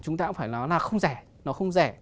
chúng ta cũng phải nói là không rẻ nó không rẻ